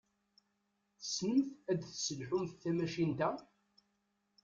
Tessnemt ad tesselḥumt tamacint-a?